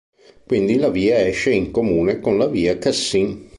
Quindi la via esce in comune con la via Cassin.